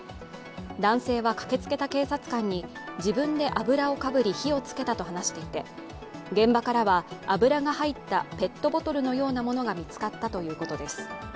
男性は駆けつけた警察官に、自分で油をかぶり、火をつけたと話していて現場からは油が入ったペットボトルのようなものが見つかったということです。